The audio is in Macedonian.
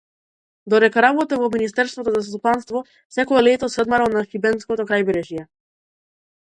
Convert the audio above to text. Додека работел во министерството за стопанство секое лето се одморал на шибенското крајбрежје.